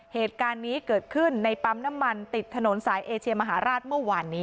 เหตุการณ์นี้เกิดขึ้นในปั๊มน้ำมันติดถนนสายเอเชียมหาราชเมื่อวานนี้